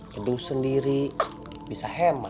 gedung sendiri bisa hemat